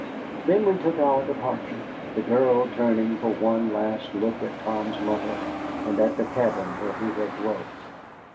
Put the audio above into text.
Then we took our departure, the girl turning for one last look at Tom's mother, and at the cabin where he had dwelt.